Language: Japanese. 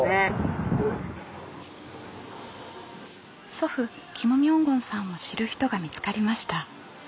祖父キム・ミョンゴンさんを知る人が見つかりました。